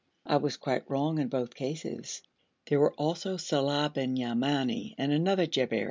I was quite wrong in both cases. There were also Saleh bin Yamani and another Jabberi.